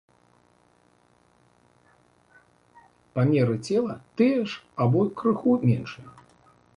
Памеры цела тыя ж або крыху меншыя.